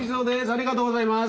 ありがとうございます！